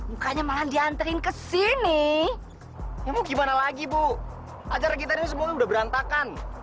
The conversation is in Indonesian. mukanya malah dianterin ke sini ya mau gimana lagi bu acara kita ini semuanya udah berantakan